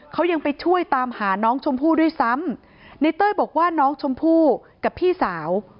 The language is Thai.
เขายังไปช่วยตามหาน้องชมพู่ด้วยซ้ำในเต้ยบอกว่าน้องชมพู่กับพี่สาว